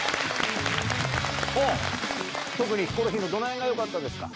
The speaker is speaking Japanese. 特にヒコロヒーのどの辺がよかったですか？